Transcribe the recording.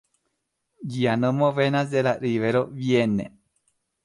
Ĝia nomo venas de la rivero Vienne.